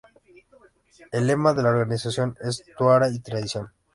El lema de la organización es: "Torá y Tradición".